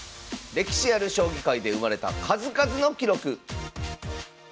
歴史ある将棋界で生まれた数々の記録